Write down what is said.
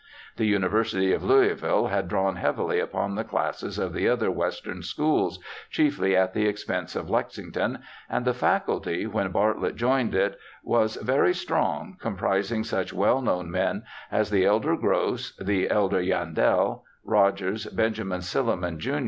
The University of Louisville had drawn heavily upon the classes of the other Western schools, chiefly at the expense of Lexington, and the Faculty when Bartlett joined it was very strong, comprising such well known men as the elder Gross, the elder Yandell, Rogers, Benjamin Silliman, jun.